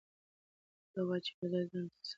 هغه وایي چې ورزش ذهن تازه ساتي.